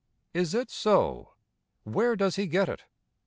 Is it so? Where does he get it?